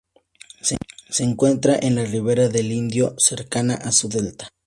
Se encuentra en la ribera del Indo, cercana a su delta.